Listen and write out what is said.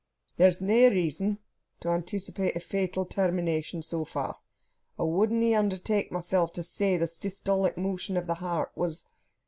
"There's nae reason to anteecipate a fatal tairmination, so far. I wouldna undertake myself to say the seestolic motion of the heart was...."